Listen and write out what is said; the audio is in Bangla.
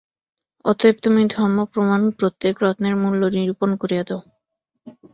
অতএব তুমি ধর্মপ্রমাণ প্রত্যেক রত্নের মূল্য নিরূপণ করিয়া দাও।